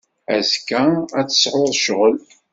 Azekka ad tesɛuḍ ccɣel.